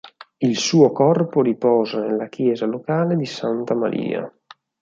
Il suo corpo riposa nella chiesa locale di Santa Maria.